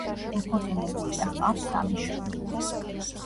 დაქორწინებულია, ჰყავს სამი შვილი.